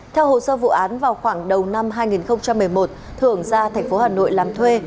theo hồ sơ vụ án vào khoảng đầu năm hai nghìn một mươi một thượng ra thành phố hà nội làm thuê